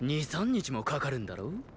日もかかるんだろ。